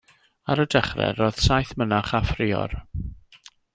Ar y dechrau, roedd saith mynach a phrior.